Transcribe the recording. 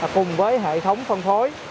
cùng với hệ thống phân phối